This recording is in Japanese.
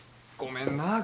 ごめんな。